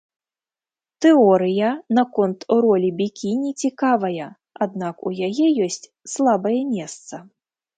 Тэорыя наконт ролі бікіні цікавая, аднак у яе ёсць слабае месца.